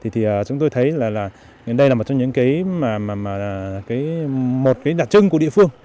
thì chúng tôi thấy là đây là một trong những cái một cái đặc trưng của địa phương